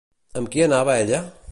Amb qui anava ella?